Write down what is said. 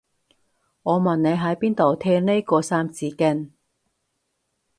我問你喺邊度聽呢個三字經